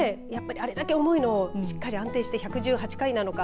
あれだけ重いのをしっかり安定して１１８回なのか。